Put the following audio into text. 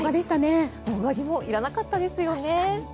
上着もいらなかったですよね。